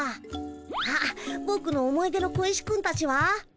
あっぼくの思い出の小石君たちは？